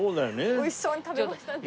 美味しそうに食べましたね。